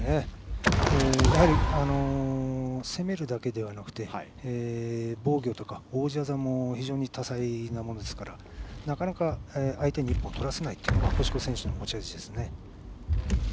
やはり攻めるだけではなく防御とか応じ技も非常に多彩ですからなかなか相手に１本を取らせないのが星子選手の持ち味ですね。